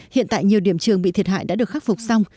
hiện tại nhiều điểm trường bị thiệt hại đã được khắc phục xong